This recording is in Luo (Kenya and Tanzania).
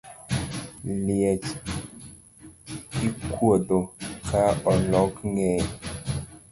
Liech ikuodho ka oloko ngeye